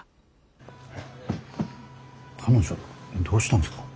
彼女どうしたんですか？